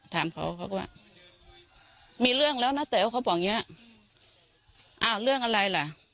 ถามเขาเขาก็ว่ามีเรื่องแล้วนะแต๋วเขาบอกอย่างเงี้ยอ้าวเรื่องอะไรล่ะ